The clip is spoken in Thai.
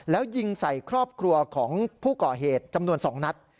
แล้วยิงใส่ครอบครัวของผู้ก่อเหตุจำนวน๒นัด